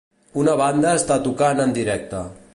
Una banda està tocant en directe.